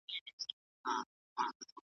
زه به سبا سپينکۍ پرېولم وم!